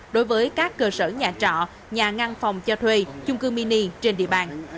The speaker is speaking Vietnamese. đối với các cơ sở nhà trọ nhà ngăn phòng cho thuê chung cư mini trên địa bàn